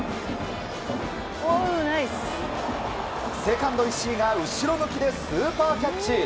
セカンド、石井が後ろ向きでスーパーキャッチ！